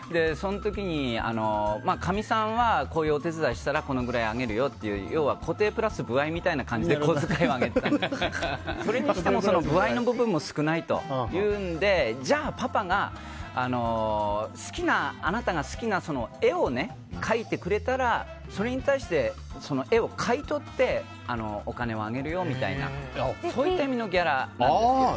その時に、かみさんはこういうお手伝いしたらこれぐらいあげるよという要は固定プラス歩合みたいな感じで小遣いをあげてたんですがそれにしても歩合の部分も少ないというのでじゃあパパが、あなたが好きな絵を描いてくれたらそれに対して絵を買い取ってお金をあげるよみたいなそういった意味のギャラなんですけれど。